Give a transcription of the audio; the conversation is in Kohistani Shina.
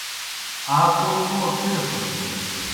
آ کوْم موں تھیسِس بوْ